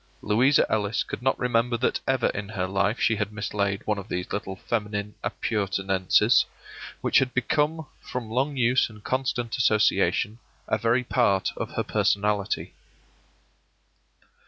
Louisa Ellis could not remember that ever in her life she had mislaid one of these little feminine appurtenances, which had become, from long use and constant association, a very part of her personality.